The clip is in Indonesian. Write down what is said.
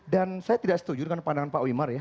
dan saya tidak setuju dengan pandangan pak wimar ya